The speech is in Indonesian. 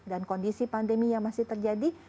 dan kondisi pandemi yang masih terjadi